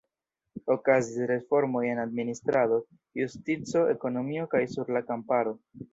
Okazis reformoj en administrado, justico, ekonomio kaj sur la kamparo.